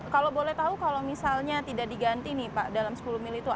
kalau boleh tahu kalau misalnya tidak diganti nih pak dalam sepuluh mil itu